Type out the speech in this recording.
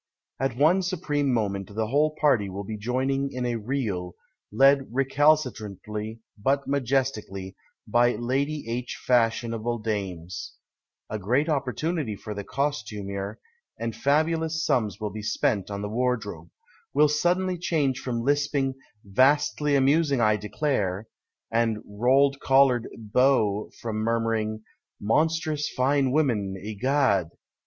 At one supreme moment the whole party will be joining in a Reel, led recalcitrantly but majestically by Liidy II. Fashion" able dames (a great opportunity for the costumier, and fabulous sums will be spent on the wardrobe) 141 PASTICHE AND PREJUDICE will suddenly change from lisping " vastly amusing I declare !" and rolled collared beaux from murmur ing " monstrous fine women, egad !